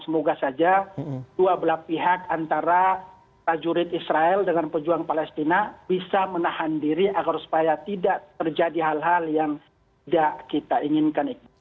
semoga saja dua belah pihak antara prajurit israel dengan pejuang palestina bisa menahan diri agar supaya tidak terjadi hal hal yang tidak kita inginkan